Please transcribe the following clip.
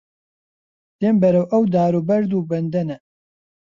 دێم بەرەو ئەو دار و بەرد و بەندەنە